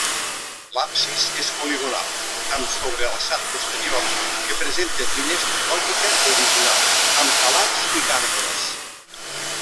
L'absis és poligonal, amb sobrealçat posterior que presenta finestra gòtica original amb calats i gàrgoles.